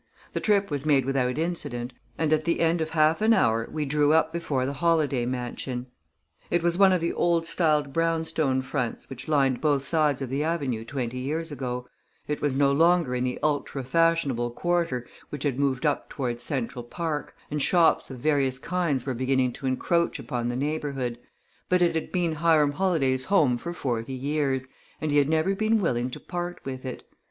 The trip was made without incident, and at the end of half an hour we drew up before the Holladay mansion. It was one of the old styled brownstone fronts which lined both sides of the avenue twenty years ago; it was no longer in the ultra fashionable quarter, which had moved up toward Central Park, and shops of various kinds were beginning to encroach upon the neighborhood; but it had been Hiram Holladay's home for forty years, and he had never been willing to part with it.